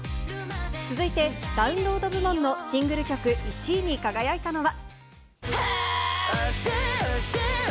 続いて、ダウンロード部門のシングル曲で１位に輝いたのは。